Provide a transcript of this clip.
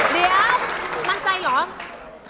เดี๋ยวมั่นใจเหรอ